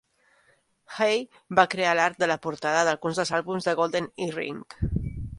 Hay va crear l'art de la portada d'alguns dels àlbums de Golden Earring.